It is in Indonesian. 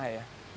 ya itu fitnah ya